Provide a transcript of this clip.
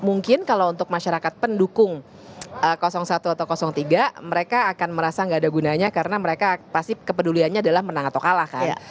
mungkin kalau untuk masyarakat pendukung satu atau tiga mereka akan merasa nggak ada gunanya karena mereka pasti kepeduliannya adalah menang atau kalah kan